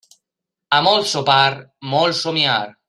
A molt sopar, molt somniar.